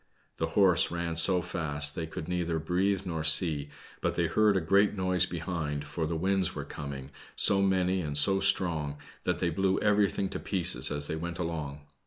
The horse ran so fast they could neither breathe nor see, but they heard a great noise behind, for the winds were coming, so many and so strong, that they blew everything to pieces as they went along.